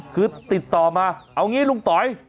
คือติดต่อมาเอางี้ลุงต๋อย